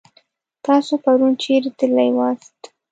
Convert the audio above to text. تاسو پرون چيرې تللي واست؟